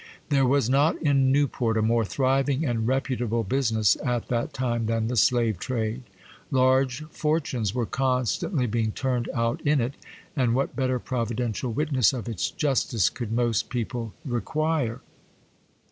There was not in Newport a more thriving and reputable business at that time than the slave trade. Large fortunes were constantly being turned out in it, and what better Providential witness of its justice could most people require?